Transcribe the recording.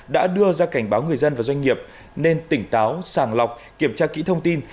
đã đưa ra cảnh báo người dân và doanh nghiệp nên tỉnh táo sàng lọc kiểm tra kỹ thông tin